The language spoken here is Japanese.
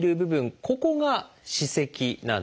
ここが歯石なんです。